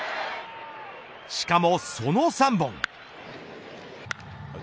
しかもその３本。